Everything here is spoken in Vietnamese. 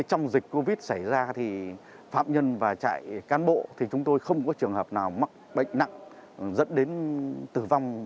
trong dịch covid xảy ra thì phạm nhân và trại cán bộ thì chúng tôi không có trường hợp nào mắc bệnh nặng dẫn đến tử vong